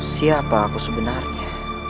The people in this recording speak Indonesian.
siapa aku sebenarnya